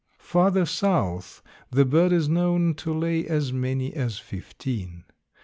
Farther south the bird is known to lay as many as fifteen.